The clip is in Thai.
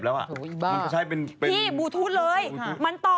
แล้วก็คุณก็ลากไปเรื่อยเรื่อยอ่ะนะ